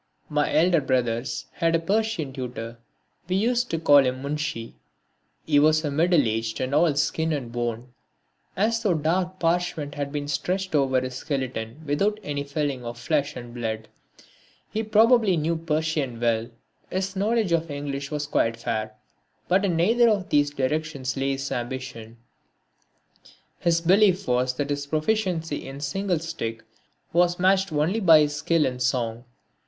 My elder brothers had a Persian tutor. We used to call him Munshi. He was of middle age and all skin and bone, as though dark parchment had been stretched over his skeleton without any filling of flesh and blood. He probably knew Persian well, his knowledge of English was quite fair, but in neither of these directions lay his ambition. His belief was that his proficiency in singlestick was matched only by his skill in song.